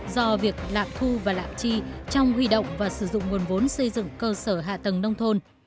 do việc lạm thu và lạm tri trong huy động và sử dụng nguồn vốn xây dựng cơ sở hạ tầng nông thôn